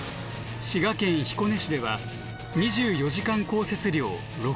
滋賀県彦根市では２４時間降雪量６８ｃｍ。